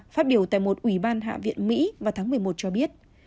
phát biểu tại một ủy ban hạ viện mỹ vào tháng một mươi một cho biết